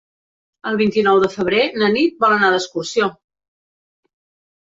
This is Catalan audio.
El vint-i-nou de febrer na Nit vol anar d'excursió.